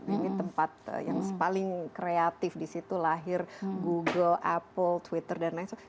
ini tempat yang paling kreatif disitu lahir google apple twitter dan lain sebagainya